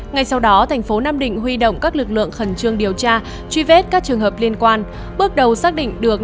ngay sau đó thành phố nam định huy động các lực lượng khẩn trương điều tra truy vết các trường hợp liên quan bước đầu xác định được năm mươi năm f một